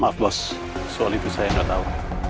maaf bos soal itu saya gak tau